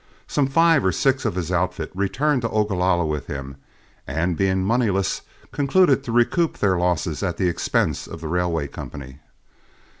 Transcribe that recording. Some five or six of his outfit returned to Ogalalla with him, and being moneyless, concluded to recoup their losses at the expense of the railway company.